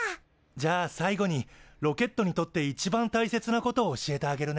じゃあ最後にロケットにとって一番大切なことを教えてあげるね。